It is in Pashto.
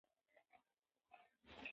ما څو څو ځله وئيلي دي